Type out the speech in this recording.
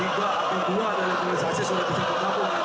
tiga atau dua dari kualitasnya sudah bisa berlaku